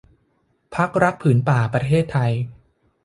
พรรครักษ์ผืนป่าประเทศไทย